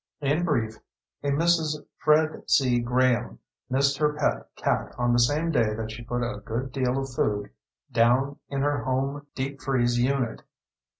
In brief, a Mrs. Fred C. Graham missed her pet cat on the same day that she put a good deal of food down in her home deep freeze unit.